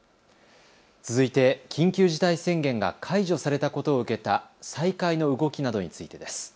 続いて緊急事態宣言が解除されたことを受けた再開の動きなどについてです。